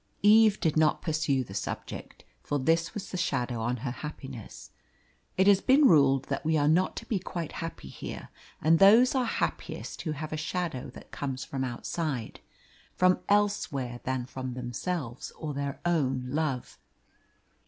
Eve did not pursue the subject, for this was the shadow on her happiness. It has been ruled that we are not to be quite happy here, and those are happiest who have a shadow that comes from outside from elsewhere than from themselves or their own love.